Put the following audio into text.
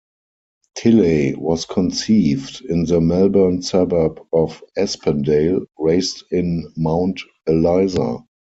Tilley was conceived in the Melbourne suburb of Aspendale, raised in Mount Eliza.